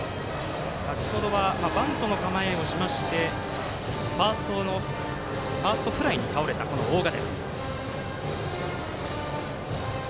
先ほどはバントの構えをしましてファーストフライに倒れた大賀。